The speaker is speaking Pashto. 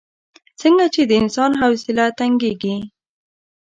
څنګه چې د انسان حوصله تنګېږي.